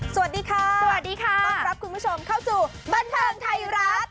สวัสดีค่ะสวัสดีค่ะต้อนรับคุณผู้ชมเข้าสู่บันเทิงไทยรัฐ